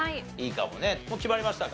もう決まりましたか？